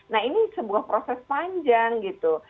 nah ini sebuah proses panjang gitu